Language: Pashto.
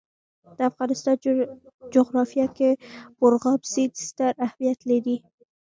د افغانستان جغرافیه کې مورغاب سیند ستر اهمیت لري.